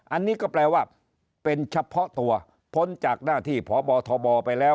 อันนี้ก็แปลว่าเป็นเฉพาะตัวพ้นจากหน้าที่พบทบไปแล้ว